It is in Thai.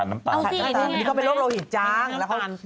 น้ำตาลเป็นโรทลโหตจาง